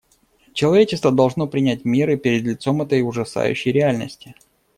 Человечество должно принять меры перед лицом этой ужасающей реальности.